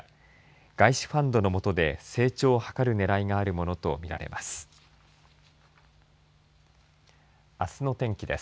外資ファンドのもとで成長を図るねらいがあるものとみられます。